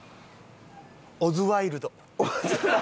オズワイルド。